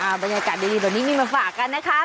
ค่ะบรรยากาศดีตอนนี้มีมาฝากกันนะครับ